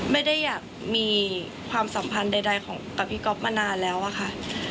ไม่ได้อยากมีความสัมพันธ์ใดของกับพี่ก๊อฟมานานแล้วอะค่ะ